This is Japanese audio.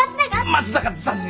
松坂残念。